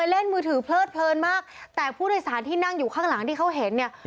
เล่นมือถือเพลิดเพลินมากแต่ผู้โดยสารที่นั่งอยู่ข้างหลังที่เขาเห็นเนี่ย